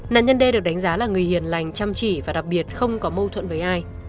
nạn nhân d được đánh giá là người hiền lành chăm chỉ và đặc biệt không có mâu thuẫn với ai